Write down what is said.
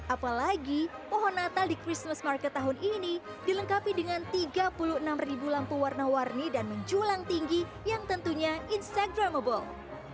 apalagi pohon natal di christmas market tahun ini dilengkapi dengan tiga puluh enam lampu warna warni dan menjulang tinggi yang tentunya instagramable